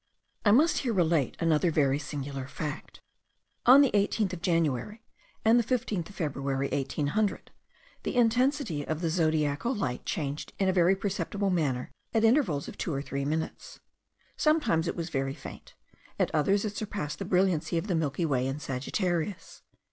I must here relate another very singular fact. On the 18th of January, and the 15th of February, 1800, the intensity of the zodiacal light changed in a very perceptible manner, at intervals of two or three minutes. Sometimes it was very faint, at others it surpassed the brilliancy of the Milky Way in Sagittarius.